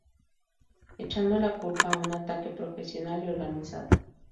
echando la culpa a un ataque profesional y organizado